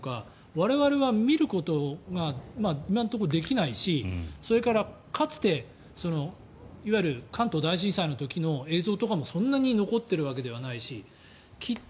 我々は見ることが今のところできないしそれからかつて、いわゆる関東大震災の時の映像とかもそんなに残っているわけではないしきっと